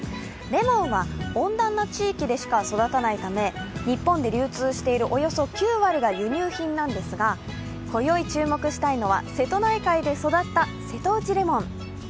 レモンは温暖な地域でしか育たないため日本で流通しているおよそ９割が輸入品なんですが今宵、注目したいのは瀬戸内海で育った瀬戸内レモン。